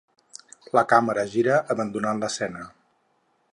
La càmera gira, abandonant l'escena.